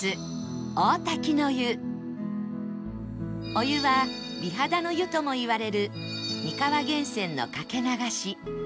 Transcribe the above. お湯は美肌の湯ともいわれる煮川源泉のかけ流し